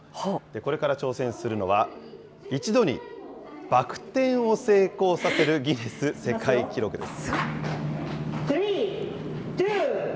これから挑戦するのは、一度にバク転を成功させるギネス世界記録です。